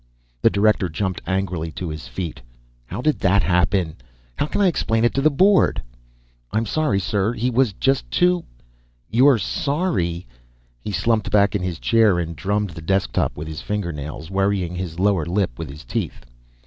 The Director jumped angrily to his feet. "How did that happen? How can I explain to the board?" "I'm sorry, sir. He was just too " "You're sorry?" He slumped back in his chair and drummed the desk top with his fingernails, worrying his lower lip with his teeth.